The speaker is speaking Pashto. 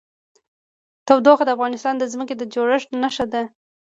تودوخه د افغانستان د ځمکې د جوړښت نښه ده.